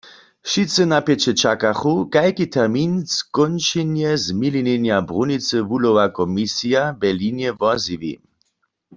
Wšitcy napjeće čakachu, kajki termin skónčenja zmilinjenja brunicy wuhlowa komisija w Berlinje wozjewi.